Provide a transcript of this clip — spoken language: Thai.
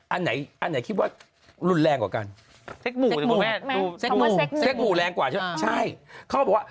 อันไหนอันไหนคิดว่ารุนแรงกว่ากันเซ็กหมู่รุนแรงกว่าใช่เขาบอกว่า